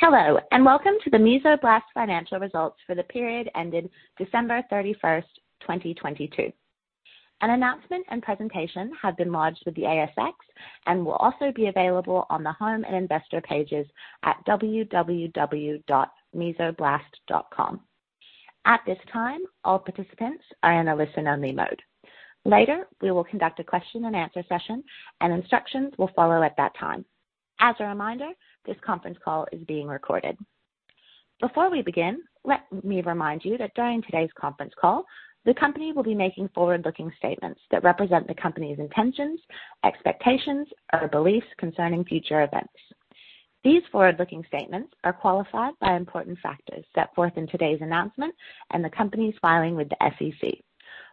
Hello, and welcome to the Mesoblast financial results for the period ended 31st December 2022. An announcement and presentation have been lodged with the ASX and will also be available on the home and investor pages at www.mesoblast.com. At this time, all participants are in a listen-only mode. Later, we will conduct a question-and-answer session, and instructions will follow at that time. As a reminder, this Conference Call is being recorded. Before we begin, let me remind you that during today's conference call, the company will be making forward-looking statements that represent the company's intentions, expectations, or beliefs concerning future events. These forward-looking statements are qualified by important factors set forth in today's announcement and the company's filing with the SEC,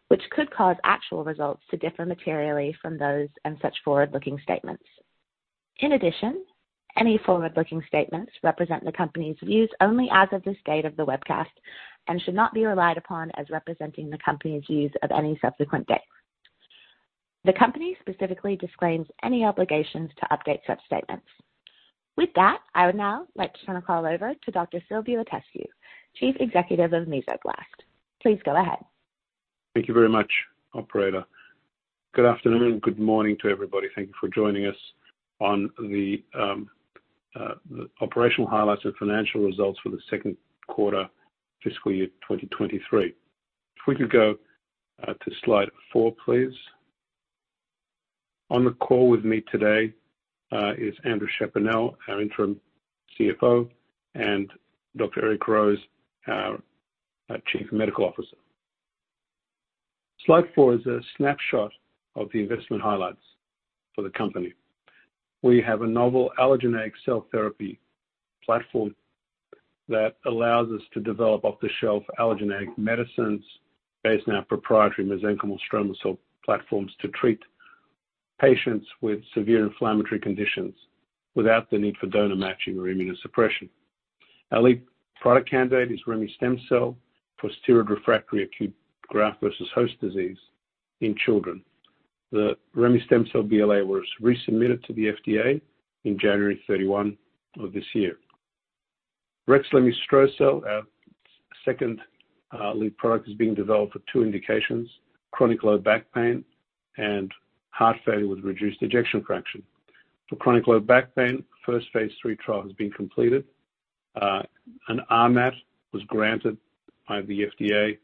which could cause actual results to differ materially from those and such forward-looking statements. Any forward-looking statements represent the company's views only as of this date of the webcast and should not be relied upon as representing the company's views of any subsequent date. The company specifically disclaims any obligations to update such statements. I would now like to turn the call over to Dr. Silviu Itescu, Chief Executive of Mesoblast. Please go ahead. Thank you very much, operator. Good afternoon and good morning to everybody. Thank you for joining us on the operational highlights and financial results for the second quarter fiscal year 2023. If we could go to slide four, please. On the call with me today is Andrew Chaponnel, our Interim CFO, and Dr. Eric Rose, our Chief Medical Officer. Slide four is a snapshot of the investment highlights for the company. We have a novel allogeneic cell therapy platform that allows us to develop off-the-shelf allogeneic medicines based on our proprietary mesenchymal stromal cell platforms to treat patients with severe inflammatory conditions without the need for donor matching or immunosuppression. Our lead product candidate is remestemcel-L for steroid-refractory acute graft-versus-host disease in children. The remestemcel-L BLA was resubmitted to the FDA in 31st January of this year. rexlemestrocel-L, our second lead product, is being developed for two indications: chronic low back pain and heart failure with reduced ejection fraction. For chronic low back pain, first phase III trial has been completed. An RMAT was granted by the FDA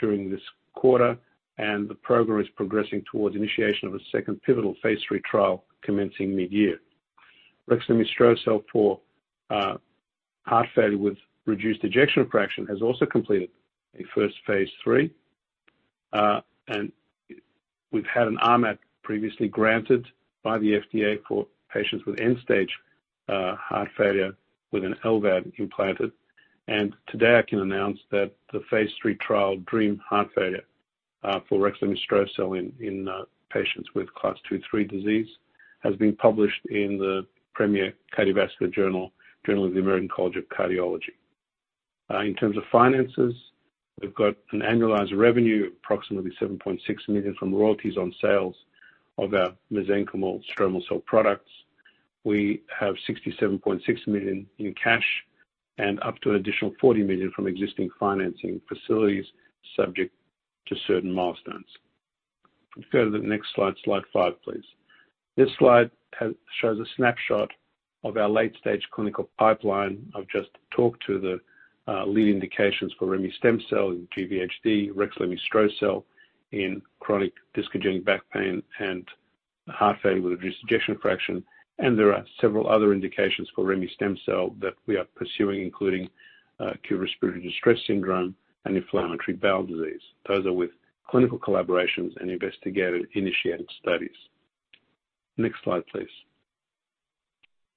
during this quarter, and the program is progressing towards initiation of a second pivotal phase III trial commencing mid-year. rexlemestrocel-L for heart failure with reduced ejection fraction has also completed a first phase III. And we've had an RMAT previously granted by the FDA for patients with end-stage heart failure with an LVAD implanted. Today, I can announce that the phase III trial, DREAM-HF, for rexlemestrocel-L in patients with Class two, three disease, has been published in the premier cardiovascular journal, Journal of the American College of Cardiology. In terms of finances, we've got an annualized revenue of approximately $7.6 million from royalties on sales of our mesenchymal stromal cell products. We have $67.6 million in cash and up to an additional $40 million from existing financing facilities subject to certain milestones. If we go to the next slide five, please. This slide shows a snapshot of our late-stage clinical pipeline. I've just talked to the lead indications for remestemcel-L in GVHD, rexlemestrocel-L in chronic discogenic back pain and heart failure with reduced ejection fraction. There are several other indications for remestemcel-L that we are pursuing, including acute respiratory distress syndrome and inflammatory bowel disease. Those are with clinical collaborations and investigative-initiated studies. Next slide, please.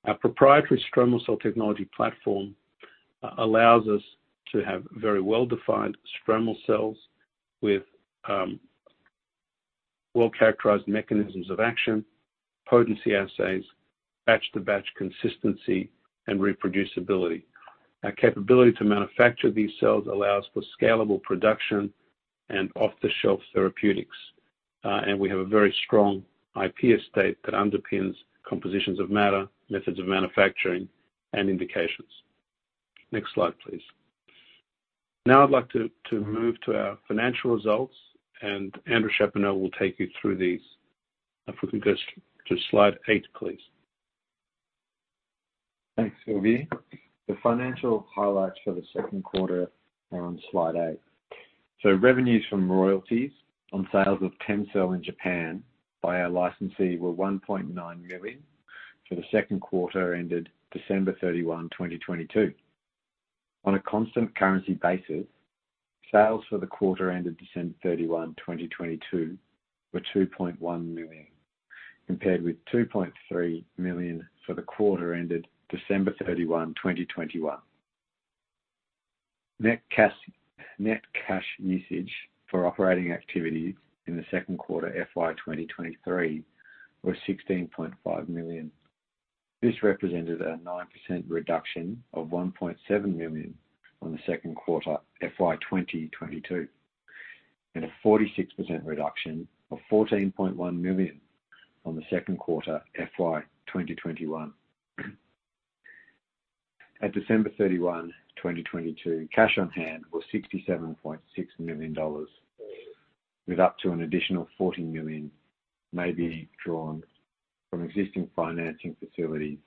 Our proprietary stromal cell technology platform allows us to have very well-defined stromal cells with well-characterized mechanisms of action, potency assays, batch-to-batch consistency, and reproducibility. Our capability to manufacture these cells allows for scalable production and off-the-shelf therapeutics. We have a very strong IP estate that underpins compositions of matter, methods of manufacturing, and indications. Next slide, please. Now I'd like to move to our financial results, and Andrew Chaponnel will take you through these. If we could go to slide 8, please. Thanks, Silvio. The financial highlights for the second quarter are on slide 8. Revenues from royalties on sales of TEMCELL in Japan by our licensee were $1.9 million for the second quarter ended December 31, 2022. On a constant currency basis, sales for the quarter ended 31st December 2022 were $2.1 million, compared with $2.3 million for the quarter ended 31st December 2021. Net cash usage for operating activity in the second quarter FY 2023 was $16.5 million. This represented a 9% reduction of $1.7 million on the second quarter FY 2022. A 46% reduction of $14.1 million on the second quarter FY 2021. At 31st December 2022, cash on hand was $67.6 million with up to an additional $40 million may be drawn from existing financing facilities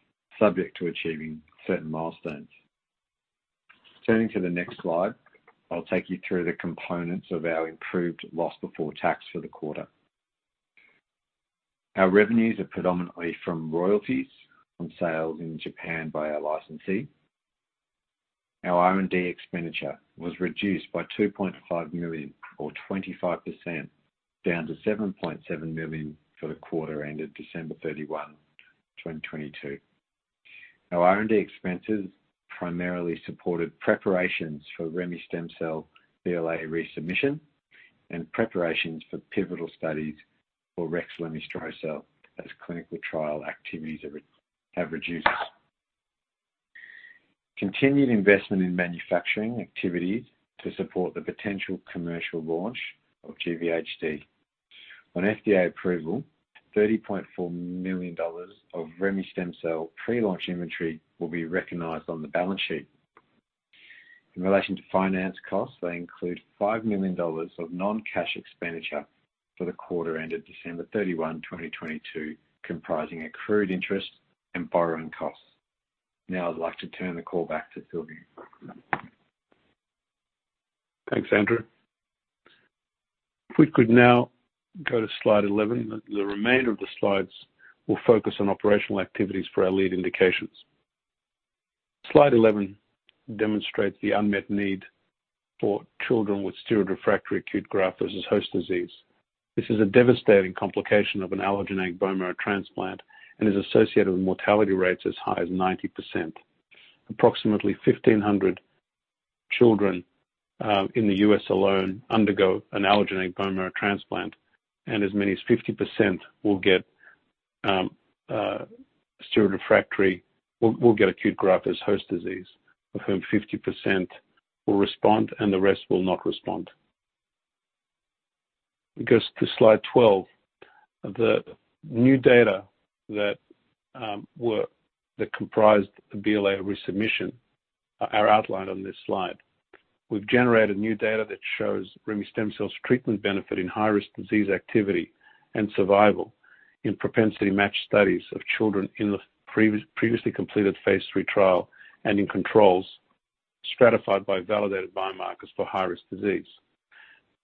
subject to achieving certain milestones. Turning to the next slide, I'll take you through the components of our improved loss before tax for the quarter. Our revenues are predominantly from royalties on sales in Japan by our licensee. Our R&D expenditure was reduced by $2.5 million or 25% down to $7.7 million for the quarter ended 31st December 2022. Our R&D expenses primarily supported preparations for remestemcel-L BLA resubmission and preparations for pivotal studies for rexlemestrocel-L as clinical trial activities have reduced. Continued investment in manufacturing activities to support the potential commercial launch of GVHD. On FDA approval, $30.4 million of remestemcel-L pre-launch inventory will be recognized on the balance sheet. In relation to finance costs, they include $5 million of non-cash expenditure for the quarter ended 31st December 2022, comprising accrued interest and borrowing costs. I'd like to turn the call back to Silviu. Thanks, Andrew. If we could now go to slide 11. The remainder of the slides will focus on operational activities for our lead indications. Slide 11 demonstrates the unmet need for children with steroid-refractory acute graft-versus-host disease. This is a devastating complication of an allogeneic bone marrow transplant and is associated with mortality rates as high as 90%. Approximately 1,500 children in the U.S. alone undergo an allogeneic bone marrow transplant, and as many as 50% will get acute graft-versus-host disease, of whom 50% will respond and the rest will not respond. We go to slide 12. The new data that comprised the BLA resubmission are outlined on this slide. We've generated new data that shows remestemcel-L's treatment benefit in high-risk disease activity and survival in propensity matched studies of children in the previously completed phase 3 trial and in controls stratified by validated biomarkers for high-risk disease.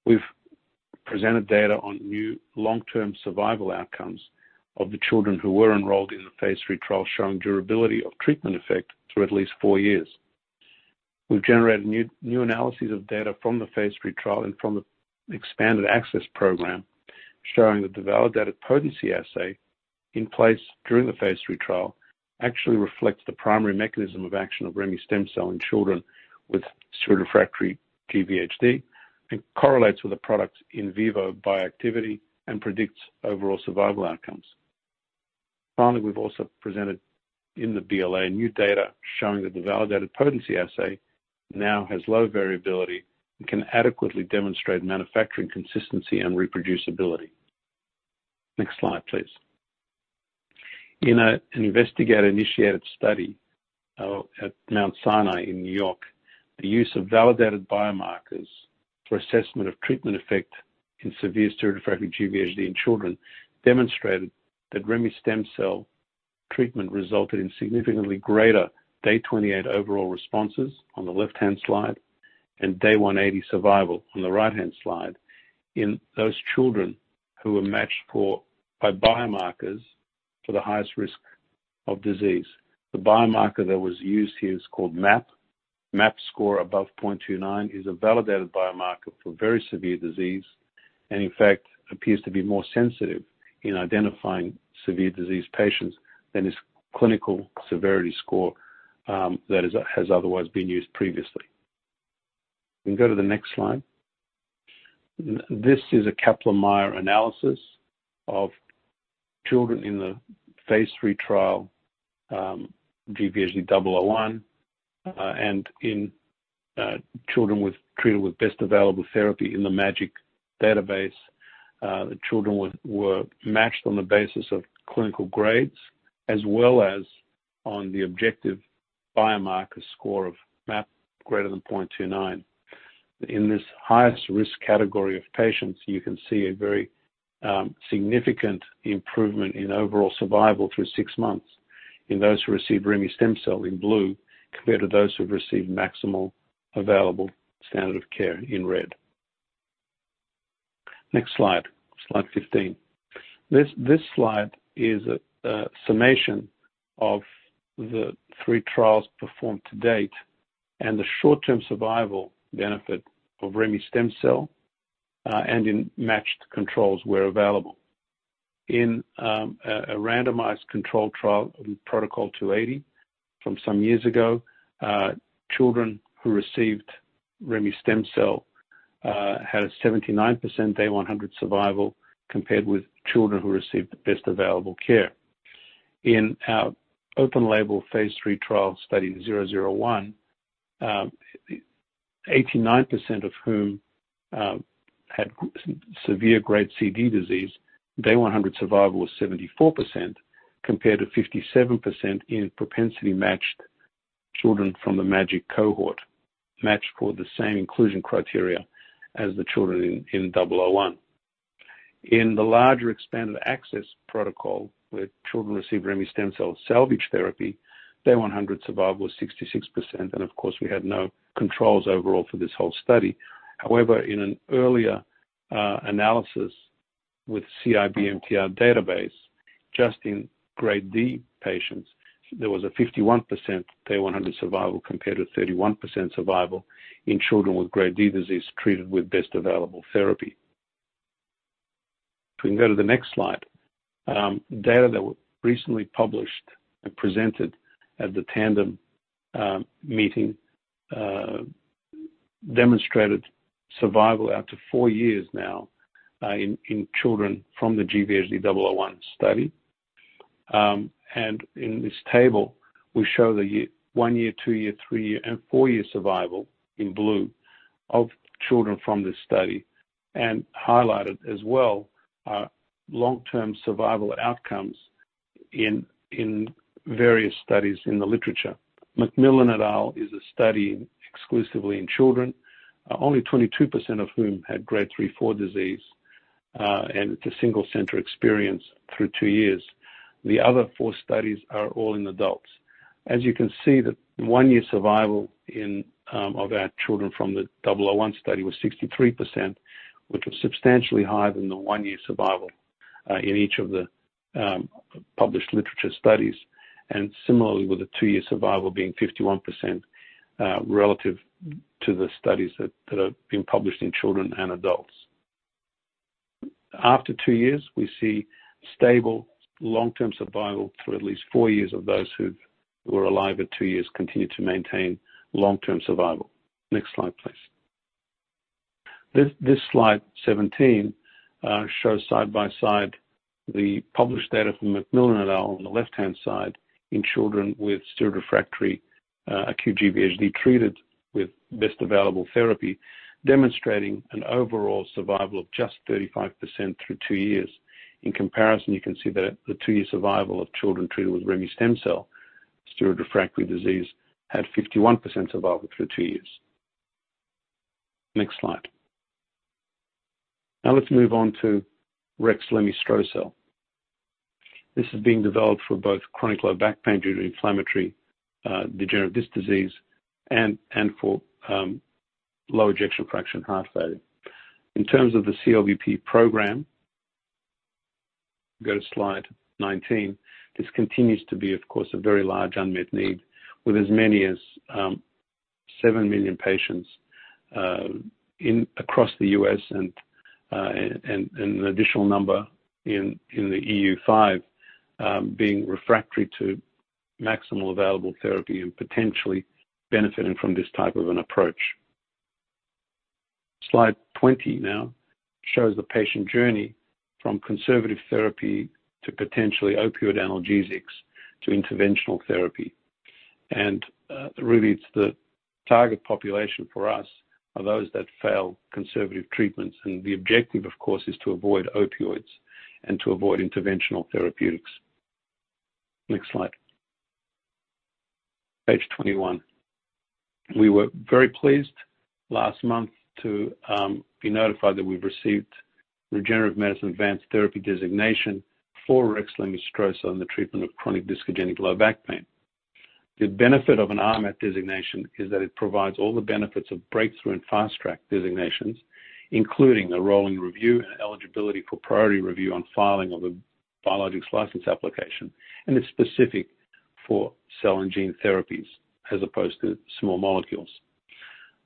We've presented data on new long-term survival outcomes of the children who were enrolled in the phase 3 trial, showing durability of treatment effect through at least 4 years. We've generated new analyses of data from the phase 3 trial and from the expanded access program, showing that the validated potency assay in place during the phase 3 trial actually reflects the primary mechanism of action of remestemcel-L in children with steroid-refractory GVHD and correlates with the product's in vivo bioactivity and predicts overall survival outcomes. We've also presented in the BLA new data showing that the validated potency assay now has low variability and can adequately demonstrate manufacturing consistency and reproducibility. Next slide, please. In an investigator-initiated study at Mount Sinai in New York, the use of validated biomarkers for assessment of treatment effect in severe steroid-refractory GVHD in children demonstrated that remestemcel-L treatment resulted in significantly greater day 28 overall responses on the left-hand slide and day 180 survival on the right-hand slide in those children who were matched for by biomarkers for the highest risk of disease. The biomarker that was used here is called MAP. MAP score above 0.29 is a validated biomarker for very severe disease and in fact appears to be more sensitive in identifying severe disease patients than is clinical severity score that has otherwise been used previously. We can go to the next slide. This is a Kaplan-Meier analysis of children in the phase 3 trial, GVHD001, and in children with treatment with best available therapy in the MAGIC database. The children were matched on the basis of clinical grades as well as on the objective biomarker score of MAP greater than 0.29. In this highest risk category of patients, you can see a very significant improvement in overall survival through 6 months in those who received remestemcel-L in blue, compared to those who have received maximal available standard of care in red. Next slide 15. This slide is a summation of the 3 trials performed to date and the short-term survival benefit of remestemcel-L, and in matched controls where available. In a randomized controlled trial in Protocol 280 from some years ago, children who received remestemcel-L had a 79% day 100 survival compared with children who received the best available care. In our open label phase III trial Study 001, 89% of whom had severe grade CD disease, day 100 survival was 74% compared to 57% in propensity matched children from the MAGIC cohort, matched for the same inclusion criteria as the children in 001. In the larger expanded access protocol, where children received remestemcel-L salvage therapy, day 100 survival was 66%, and of course, we had no controls overall for this whole study. However, in an earlier analysis with CIBMTR database, just in grade D patients, there was a 51% day 100 survival compared to 31% survival in children with grade D disease treated with best available therapy. If we can go to the next slide. Data that were recently published and presented at the Tandem meeting demonstrated survival out to four years now in children from the GVHD001 study. In this table, we show the one year, two year, three year, and four year survival in blue of children from this study, and highlighted as well are long-term survival outcomes in various studies in the literature. MacMillan et al. is a study exclusively in children, only 22% of whom had grade three four disease, and it's a single center experience through two years. The other four studies are all in adults. As you can see, the one-year survival of our children from the 001 study was 63%, which was substantially higher than the one-year survival in each of the published literature studies. Similarly with the two year survival being 51% relative to the studies that have been published in children and adults. After two years, we see stable long-term survival for at least four years of those who were alive at two years continue to maintain long-term survival. Next slide, please. This slide 17 shows side by side the published data from McMillan et al. on the left-hand side in children with steroid-refractory acute GvHD treated with best available therapy, demonstrating an overall survival of just 35% through two years. In comparison, you can see the two-year survival of children treated with remestemcel-L steroid-refractory disease had 51% survival through two years. Next slide. Let's move on to rexlemestrocel-L. This is being developed for both chronic low back pain due to inflammatory degenerative disc disease and for low ejection fraction heart failure. In terms of the CLBP program, go to slide 19. This continues to be, of course, a very large unmet need with as many as 7 million patients across the US and an additional number in the EU five being refractory to maximal available therapy and potentially benefiting from this type of an approach. Slide 20 shows the patient journey from conservative therapy to potentially opioid analgesics to interventional therapy. Really it's the target population for us are those that fail conservative treatments. The objective, of course, is to avoid opioids and to avoid interventional therapeutics. Next slide. Page 21. We were very pleased last month to be notified that we've received Regenerative Medicine Advanced Therapy designation for rexlemestrocel-L in the treatment of chronic discogenic low back pain. The benefit of an RMAT designation is that it provides all the benefits of breakthrough and fast track designations, including the rolling review and eligibility for priority review on filing of a Biologics License Application, and it's specific for cell and gene therapies as opposed to small molecules.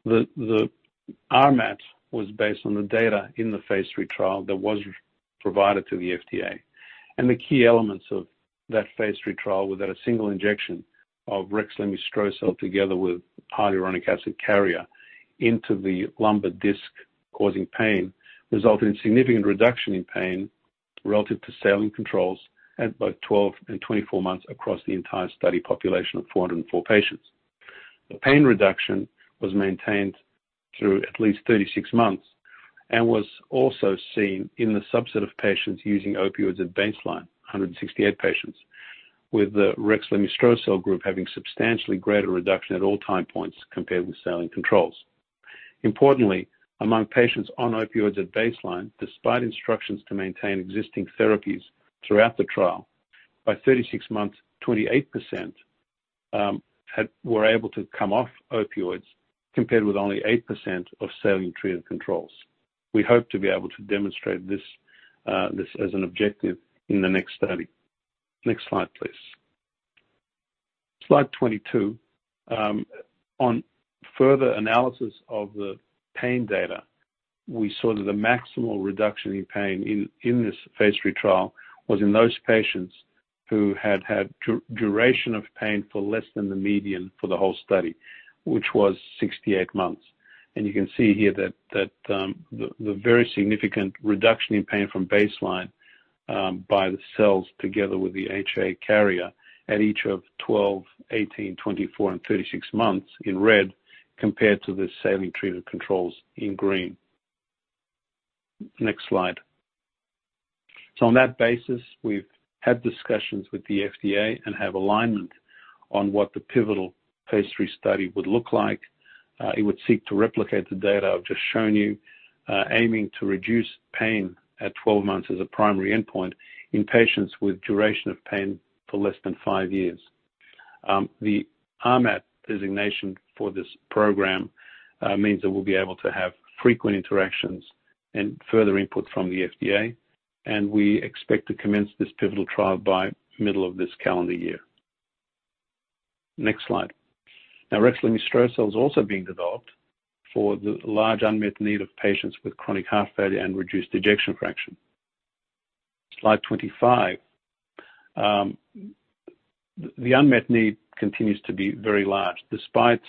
The RMAT was based on the data in the phase III trial that was provided to the FDA, and the key elements of that phase III trial were that a single injection of rexlemestrocel-L together with hyaluronic acid carrier into the lumbar disc causing pain, resulted in significant reduction in pain relative to saline controls at both 12 and 24 months across the entire study population of 404 patients. The pain reduction was maintained through at least 36 months and was also seen in the subset of patients using opioids at baseline, 168 patients, with the rexlemestrocel-L group having substantially greater reduction at all time points compared with saline controls. Importantly, among patients on opioids at baseline, despite instructions to maintain existing therapies throughout the trial, by 36 months, 28% had... were able to come off opioids, compared with only 8% of saline-treated controls. We hope to be able to demonstrate this as an objective in the next study. Next slide, please. Slide 22. On further analysis of the pain data, we saw that the maximal reduction in pain in this phase III trial was in those patients who had had duration of pain for less than the median for the whole study, which was 68 months. You can see here that the very significant reduction in pain from baseline by the cells together with the HA carrier at each of 12, 18, 24, and 36 months in red compared to the saline treated controls in green. Next slide. On that basis, we've had discussions with the FDA and have alignment on what the pivotal phase 3 study would look like. It would seek to replicate the data I've just shown you, aiming to reduce pain at 12 months as a primary endpoint in patients with duration of pain for less than five years. The RMAT designation for this program means that we'll be able to have frequent interactions and further input from the FDA. We expect to commence this pivotal trial by middle of this calendar year. Next slide. rexlemestrocel-L is also being developed for the large unmet need of patients with chronic heart failure and reduced ejection fraction. Slide 25. The unmet need continues to be very large. Despite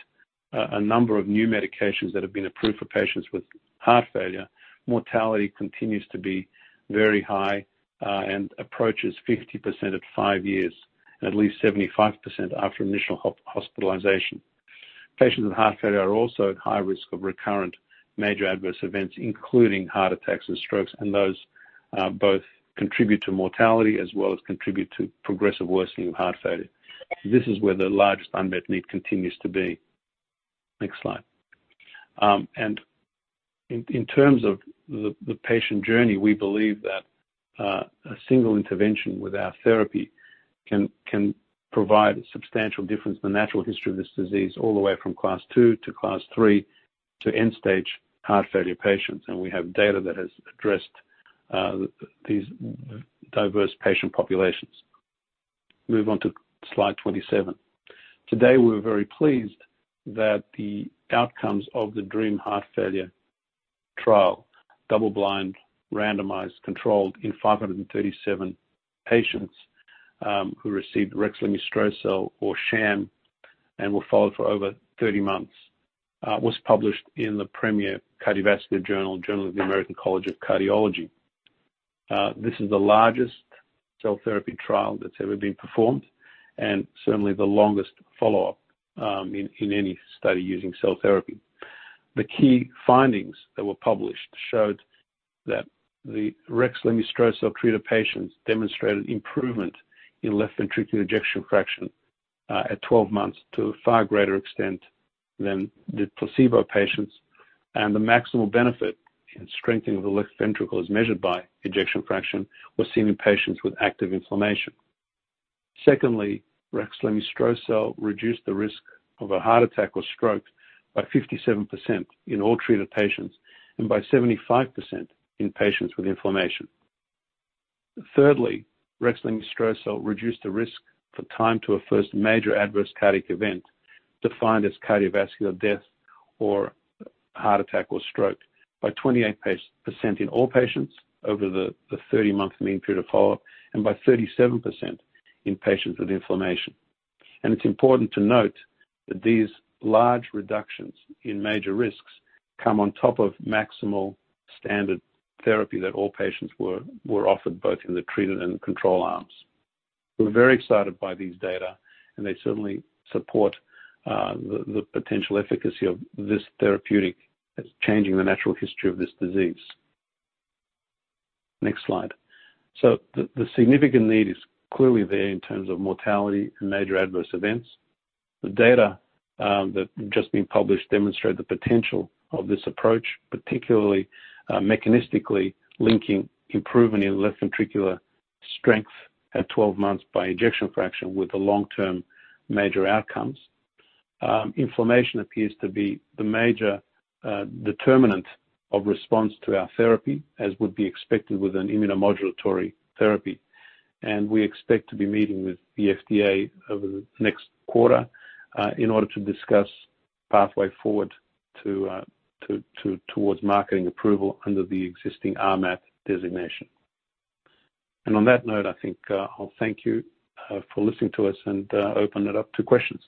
a number of new medications that have been approved for patients with heart failure, mortality continues to be very high, and approaches 50% at 5 years and at least 75% after initial hospitalization. Patients with heart failure are also at high risk of recurrent major adverse events, including heart attacks and strokes, those both contribute to mortality as well as contribute to progressive worsening of heart failure. This is where the largest unmet need continues to be. Next slide. In terms of the patient journey, we believe that a single intervention with our therapy can provide a substantial difference in the natural history of this disease all the way from Class two to Class three to end stage heart failure patients, and we have data that has addressed these diverse patient populations. Move on to slide 27. Today, we're very pleased that the outcomes of the DREAM-HF trial, double blind, randomized, controlled in 537 patients, who received rexlemestrocel-L or sham and were followed for over 30 months, was published in the premier cardiovascular journal, Journal of the American College of Cardiology. The key findings that were published showed that the rexlemestrocel-L treated patients demonstrated improvement in left ventricular ejection fraction, at 12 months to a far greater extent than the placebo patients. The maximal benefit in strengthening of the left ventricle, as measured by ejection fraction, was seen in patients with active inflammation. rexlemestrocel-L reduced the risk of a heart attack or stroke by 57% in all treated patients and by 75% in patients with inflammation. rexlemestrocel-L reduced the risk for time to a first major adverse cardiac event, defined as cardiovascular death or heart attack or stroke, by 28% in all patients over the 30-month mean period of follow-up and by 37% in patients with inflammation. It's important to note that these large reductions in major risks come on top of maximal standard therapy that all patients were offered, both in the treated and control arms. We're very excited by these data, and they certainly support the potential efficacy of this therapeutic as changing the natural history of this disease. Next slide. The significant need is clearly there in terms of mortality and major adverse events. The data that have just been published demonstrate the potential of this approach, particularly mechanistically linking improvement in left ventricular strength at 12 months by ejection fraction with the long-term major outcomes. Inflammation appears to be the major determinant of response to our therapy, as would be expected with an immunomodulatory therapy. We expect to be meeting with the FDA over the next quarter in order to discuss pathway forward towards marketing approval under the existing RMAT designation. On that note, I think I'll thank you for listening to us and open it up to questions.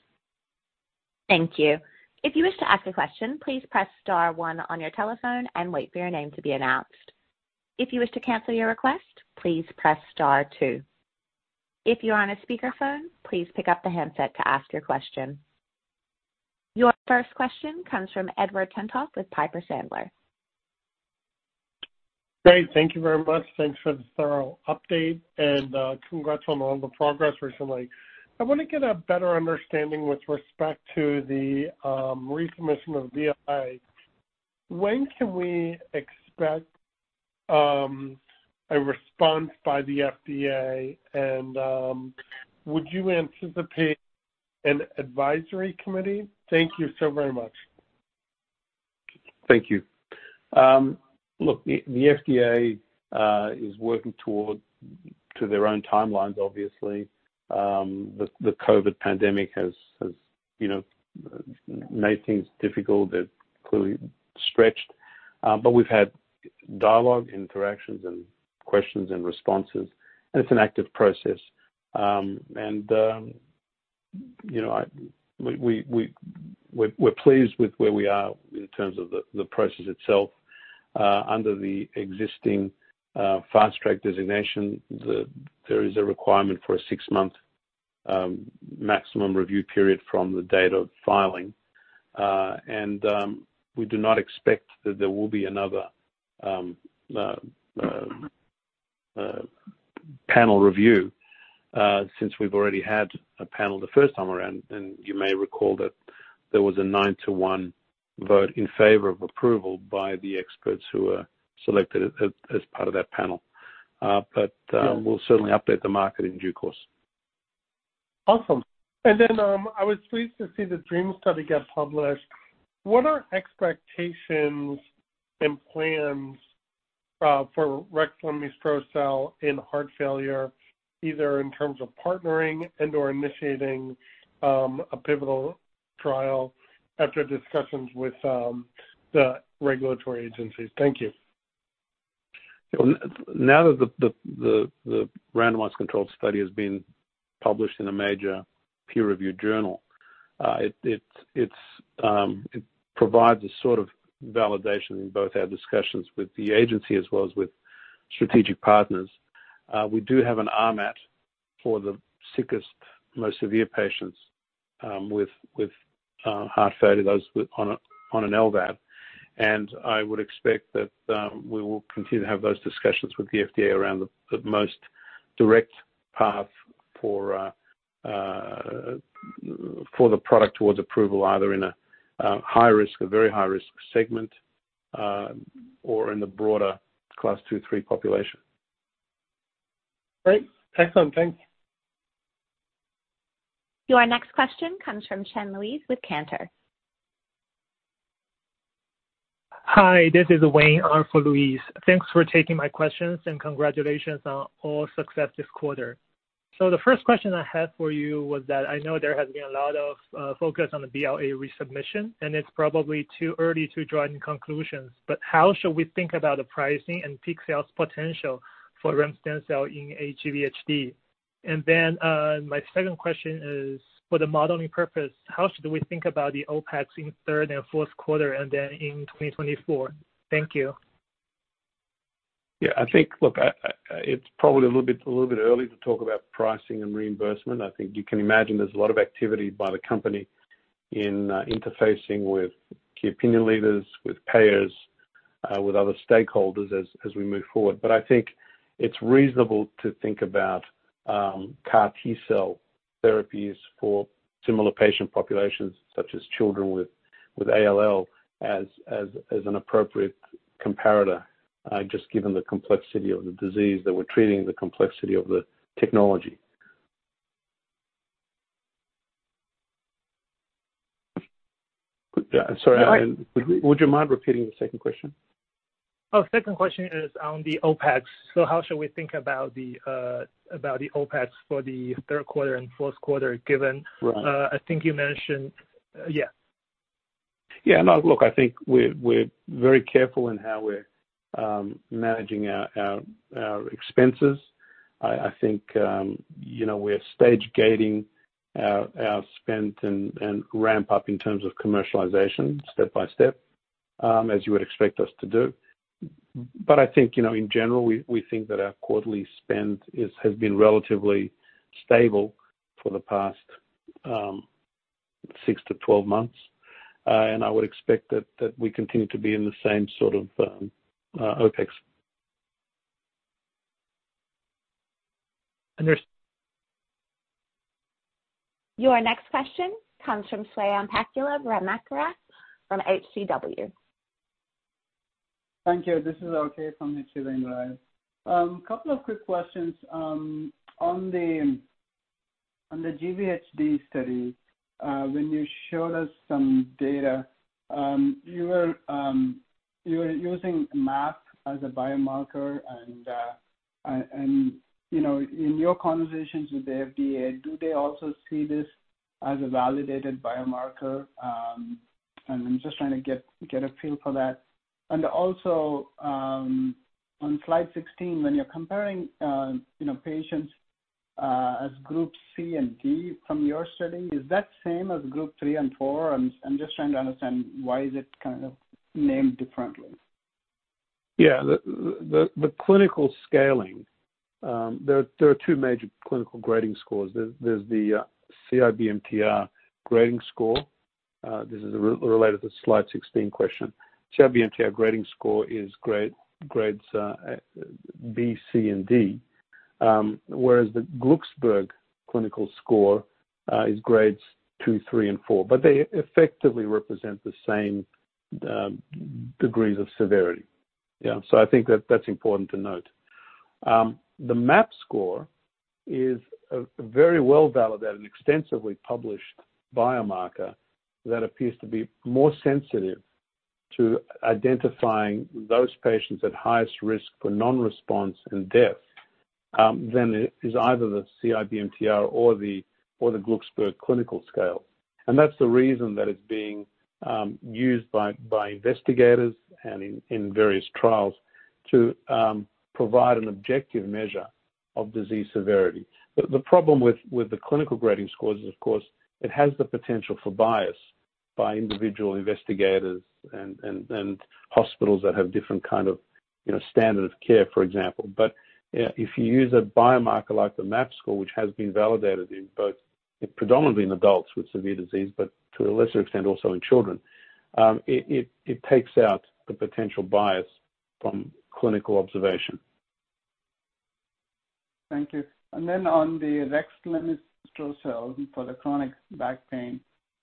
Thank you. If you wish to ask a question, please press star one on your telephone and wait for your name to be announced. If you wish to cancel your request, please press star two. If you're on a speakerphone, please pick up the handset to ask your question. Your first question comes from Edward Tenthoff with Piper Sandler. Great. Thank you very much. Thanks for the thorough update, and congrats on all the progress recently. I want to get a better understanding with respect to the resubmission of the BLA. When can we expect a response by the FDA, and would you anticipate an advisory committee? Thank you so very much. Thank you. Look, the FDA is working toward to their own timelines, obviously. The COVID pandemic has, you know, made things difficult. They're clearly stretched, but we've had dialogue, interactions and questions and responses, and it's an active process. You know, we're pleased with where we are in terms of the process itself. Under the existing fast track designation, there is a requirement for a six-month maximum review period from the date of filing. We do not expect that there will be another panel review, since we've already had a panel the first time around, and you may recall that there was a nine to one vote in favor of approval by the experts who were selected as part of that panel. Uh, but, um- Yeah. We'll certainly update the market in due course. Awesome. I was pleased to see the DREAM study get published. What are expectations and plans for rexlemestrocel-L in heart failure, either in terms of partnering and/or initiating a pivotal trial after discussions with the regulatory agencies? Thank you. Now that the randomized controlled study has been published in a major peer-reviewed journal, it provides a sort of validation in both our discussions with the agency as well as with strategic partners. We do have an RMAT for the sickest, most severe patients, with heart failure, those with on an LVAD. I would expect that we will continue to have those discussions with the FDA around the most direct path for the product towards approval, either in a high risk or very high-risk segment, or in the broader Class two, three population. Great. Excellent. Thank you. Your next question comes from Louise Chen with Cantor. Hi, this is Wayne Rothman for Louise. Thanks for taking my questions, and congratulations on all success this quarter. The first question I had for you was that I know there has been a lot of focus on the BLA resubmission, and it's probably too early to draw any conclusions, but how should we think about the pricing and peak sales potential for remestemcel-L in SR-aGVHD? My second question is, for the modeling purpose, how should we think about the OpEx in third and fourth quarter and then in 2024? Thank you. Yeah. I think, look, it's probably a little bit early to talk about pricing and reimbursement. I think you can imagine there's a lot of activity by the company in interfacing with key opinion leaders, with payers, with other stakeholders as we move forward. I think it's reasonable to think about CAR T-cell therapies for similar patient populations, such as children with ALL as an appropriate comparator, just given the complexity of the disease that we're treating, the complexity of the technology. Yeah, sorry. No. Would you mind repeating the second question? Second question is on the OpEx. How should we think about the OpEx for the third quarter and fourth quarter? Right. I think you mentioned... Yeah. No, look, I think we're very careful in how we're managing our expenses. I think, you know, we're stage-gating our spend and ramp up in terms of commercialization step by step, as you would expect us to do. I think, you know, in general, we think that our quarterly spend has been relatively stable for the past 6-12 months. I would expect that we continue to be in the same sort of OpEx. Under- Your next question comes from Swayampakula Ramakanth from H.C. Wainwright & Co. Thank you. This is okay from H.C. Wainwright & Co. Couple of quick questions. On the GVHD study, when you showed us some data, you were using MAP as a biomarker and, you know, in your conversations with the FDA, do they also see this as a validated biomarker? I'm just trying to get a feel for that. On slide 16, when you're comparing, you know, patients as group C and D from your study, is that same as group 3 and 4? I'm just trying to understand why is it kind of named differently. Yeah. The clinical scaling, there are two major clinical grading scores. There's the CIBMTR grading score. This is related to slide 16 question. CIBMTR grading score is grades B, C, and D. Whereas the Glucksberg clinical score is grades two, three, and four. They effectively represent the same degrees of severity. Yeah. I think that that's important to note. The MAP score is a very well validated and extensively published biomarker that appears to be more sensitive to identifying those patients at highest risk for non-response and death than it is either the CIBMTR or the Glucksberg clinical scale. That's the reason that it's being used by investigators and in various trials to provide an objective measure of disease severity. The problem with the clinical grading scores is, of course, it has the potential for bias by individual investigators and hospitals that have different kind of, you know, standard of care, for example. If you use a biomarker like the MAP score, which has been validated in both predominantly in adults with severe disease, but to a lesser extent also in children, it takes out the potential bias from clinical observation. Thank you. Then on the rexlemestrocel-L for the chronic back pain,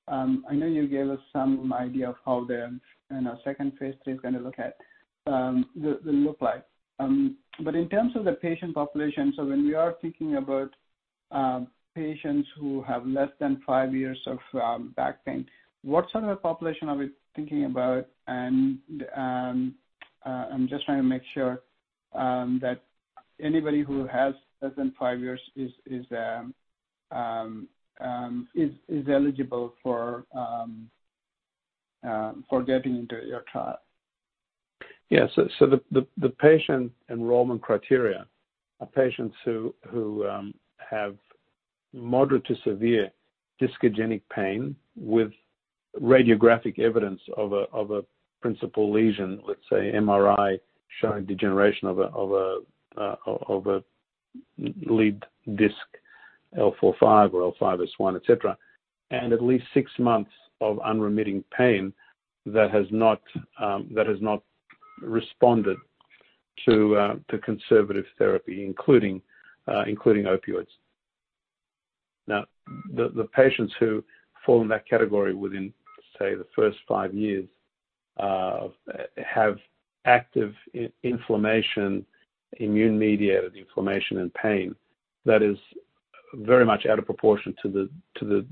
I know you gave us some idea of how the, you know, second phase III is going to look at, will look like. In terms of the patient population, so when we are thinking about, patients who have less than five years of, back pain, what sort of population are we thinking about? I'm just trying to make sure, that anybody who has less than five years is eligible for getting into your trial. Yeah. The patient enrollment criteria are patients who have moderate to severe discogenic pain with radiographic evidence of a principal lesion, let's say MRI showing degeneration of a lead disc L4-5 or L5-S1, et cetera. At least six months of unremitting pain that has not responded to conservative therapy, including opioids. The patients who fall in that category within, say, the first five years, have active inflammation, immune-mediated inflammation and pain that is very much out of proportion to the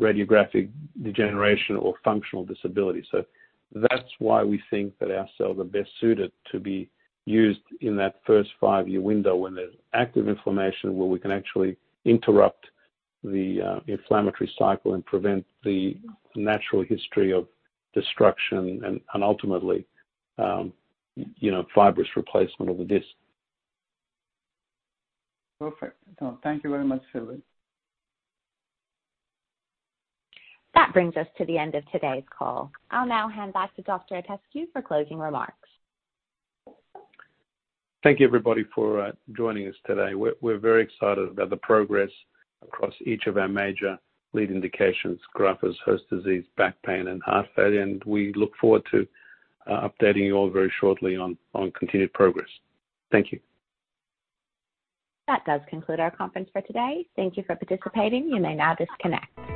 radiographic degeneration or functional disability. That's why we think that our cells are best suited to be used in that first five-year window when there's active inflammation where we can actually interrupt the inflammatory cycle and prevent the natural history of destruction and ultimately, you know, fibrous replacement of the disc. Perfect. No, thank you very much, Silviu. That brings us to the end of today's call. I'll now hand back to Dr. Itescu for closing remarks. Thank you, everybody, for joining us today. We're very excited about the progress across each of our major lead indications, Graft-versus-host disease, back pain, and heart failure. We look forward to updating you all very shortly on continued progress. Thank you. That does conclude our conference for today. Thank Thank you for participating. You may now disconnect.